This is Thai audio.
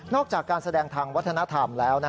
จากการแสดงทางวัฒนธรรมแล้ว